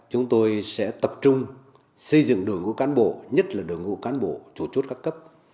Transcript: chúng tôi sẽ tập trung xây dựng đội ngũ cán bộ nhất là đội ngũ cán bộ chủ chốt các cấp